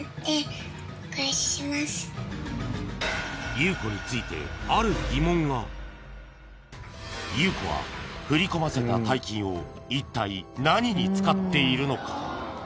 Ｕ子についてある疑問がＵ子は振り込ませた大金を一体何に使っているのか？